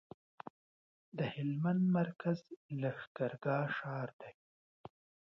د هلمند مرکز لښکرګاه ښار دی